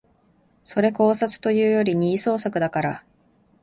それ考察というより二次創作だから